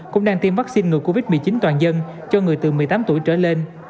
cũng đang tiêm vaccine ngừa covid một mươi chín toàn dân cho người từ một mươi tám tuổi trở lên